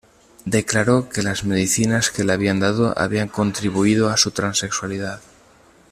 Declaró que las medicinas que le habían dado habían contribuido a su transexualidad.